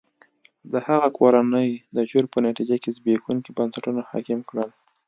د هغه کورنۍ د چور په نتیجه کې زبېښونکي بنسټونه حاکم کړل.